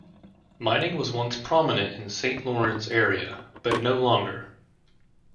Mining was once prominent in Saint Lawrence area, but no longer.